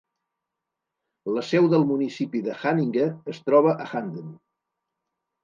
La seu del municipi de Haninge es troba a Handen.